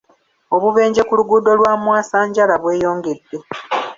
Obubenje ku luguudo lwa mwasanjala bweyongedde.